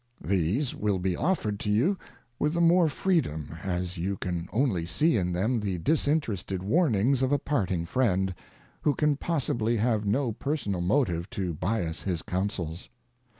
ŌĆö These will be offered to you with the more freedom, as you can only see in them the disinterested warnings of a parting friend, who can possibly have no personal motive to bias his counsels.